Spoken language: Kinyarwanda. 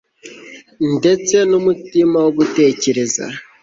ndetse n'umutima wo gutekereza